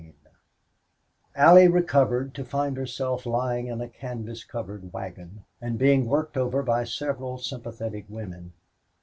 14 Allie recovered to find herself lying in a canvas covered wagon, and being worked over by several sympathetic women.